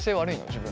自分。